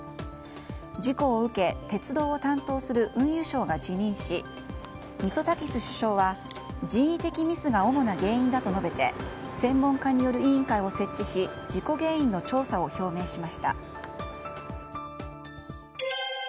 事故を受け、鉄道を担当する運輸相が辞任しミツォタキス首相は人為的ミスが主な原因だと述べて専門家による委員会を設置し事故原因の調査を表明しました。